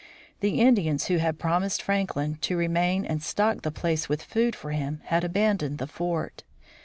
The Indians who had promised Franklin to remain and stock the place with food for him, had abandoned the fort.